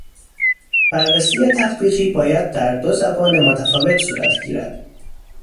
بررسی تطبیقی باید در دو زبان متفاوت صورت گیرد